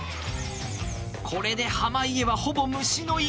これで濱家はほぼ虫の息。